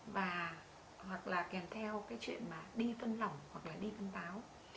và hoặc là kèm theo cái chuyện mà đi phân lỏng hoặc là đi phân báo